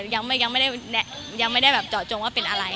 แต่ยังไม่ได้เจาะจงว่าเป็นอะไร